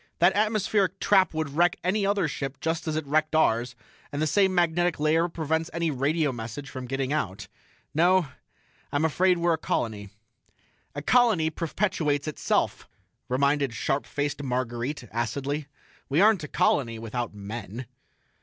"That atmospheric trap would wreck any other ship just as it wrecked ours, and the same magnetic layer prevents any radio message from getting out. No, I'm afraid we're a colony." "A colony perpetuates itself," reminded sharp faced Marguerite, acidly. "We aren't a colony, without men."